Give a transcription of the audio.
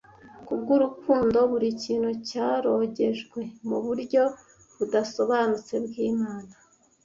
kubwurukundo buri kintu cyarogejwe muburyo busobanutse bwimana